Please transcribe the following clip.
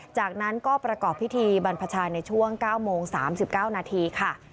จากนั้นก็ประกอบพิธีบรรพชาในช่วง๙โมง๓๙นาทีค่ะ